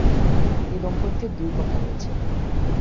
এই দম্পতির দুই কন্যা রয়েছে।